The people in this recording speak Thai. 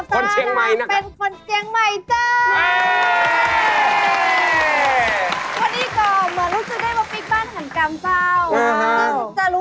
ของเจี๋ยงใหม่เกือบเยอะมาก